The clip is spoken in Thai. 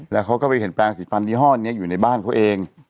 แล้วเขาก็ไปเห็นแปลงสีฟันยี่ห้อนี้อยู่ในบ้านเขาเอง